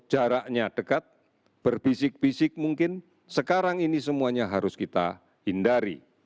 jaraknya dekat berbisik bisik mungkin sekarang ini semuanya harus kita hindari